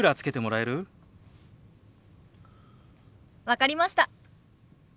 分かりました。